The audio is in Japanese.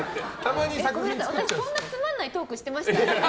私、そんなつまらないトークしてました？